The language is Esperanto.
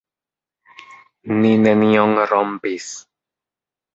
Ni nenion rompis.